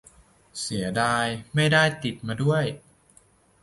เสียดายไม่ได้ติดมาด้วย